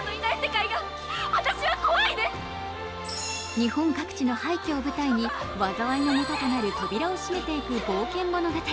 日本各地の廃墟を舞台に災いの元となる扉を閉めていく冒険物語。